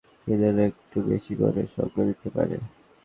তাই ছুটির দিনগুলোতে তাঁরা শিশুদের একটু বেশি করে সঙ্গ দিতে পারেন।